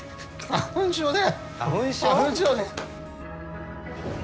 花粉症で。